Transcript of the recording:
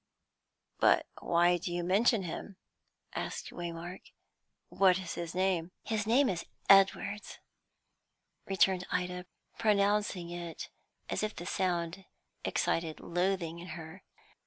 "But why do you mention him?" asked Waymark. "What is his name?" "His name is Edwards," returned Ida, pronouncing it as if the sound excited loathing in her.